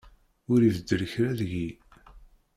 Ur ibeddel kra deg-i.